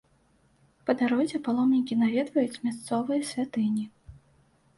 Па дарозе паломнікі наведваюць мясцовыя святыні.